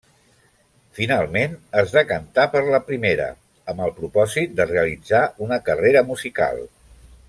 Finalment, es decantà per la primera amb el propòsit de realitzar una carrera musical.